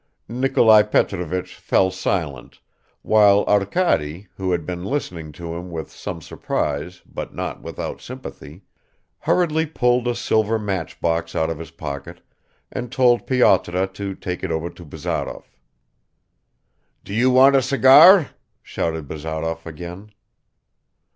Nikolai Petrovich fell silent, while Arkady, who had been listening to him with some surprise but not without sympathy, hurriedly pulled a silver matchbox out of his pocket and told Pyotr to take it over to Bazarov. "Do you want a cigar?" shouted Bazarov again.